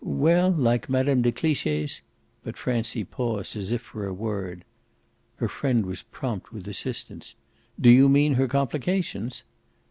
"Well, like Mme. de Cliche's " But Francie paused as if for a word. Her friend was prompt with assistance. "Do you mean her complications?"